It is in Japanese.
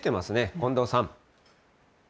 近藤さん。